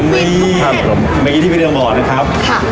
เมื่อกี้ที่ไปเรืองหมอนะครับ